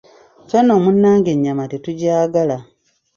Ffe nno munange ennyama tetugyagala.